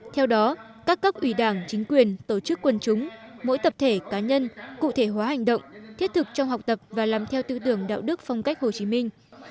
theo đó các cấp ủy đảng chính quyền tổ chức quân chúng mỗi tập thể cá nhân cụ thể hóa hành động thiết thực trong học tập và làm theo tư tưởng đạo đức phong cách hồ chí minh